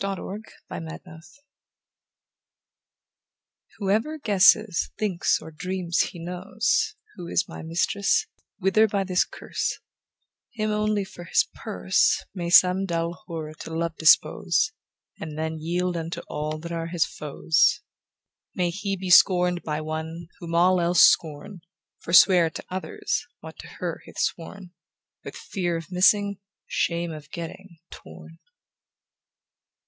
THE CURSE. by John Donne WHOEVER guesses, thinks, or dreams, he knows Who is my mistress, wither by this curse ; Him, only for his purse May some dull whore to love dispose, And then yield unto all that are his foes ; May he be scorn'd by one, whom all else scorn, Forswear to others, what to her he hath sworn, With fear of missing, shame of getting, torn.